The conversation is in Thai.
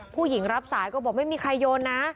ผู้หญิงรับสายก็บอกไม่มีใครโยนนะ